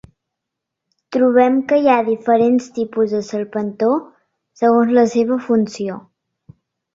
Trobem que hi ha diferents tipus de serpentó segons la seva funció.